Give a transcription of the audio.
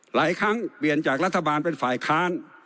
หลายครั้งเปลี่ยนจากรัฐบาลเป็นฝ่ายค้าน